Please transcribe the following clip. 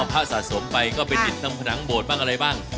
พระสะสมไปก็ไปติดตั้งผนังโบสถ์บ้างอะไรบ้าง